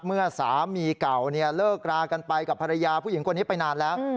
เมื่อสามีเก่าเลิกรากันไปกับภรรยาผู้หญิงคนนี้ไปนานแล้ว